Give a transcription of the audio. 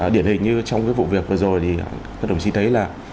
điển hình như trong cái vụ việc vừa rồi thì các đồng chí thấy là